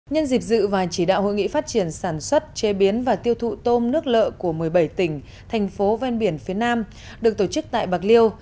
nhân dịp dự và chỉ đạo hội nghị phát triển sản xuất chế biến và tiêu thụ tôm nước lợ của một mươi bảy tỉnh thành phố ven biển phía nam được tổ chức tại bạc liêu